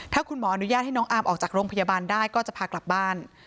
ถ้าคุณหมออนุญาตให้น้องอามออกจากโรงพยาบาลได้ก็จะพากลับบ้าน